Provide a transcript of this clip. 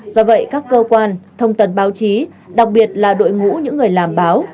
do vậy các cơ quan thông tần báo chí đặc biệt là đội ngũ những người làm báo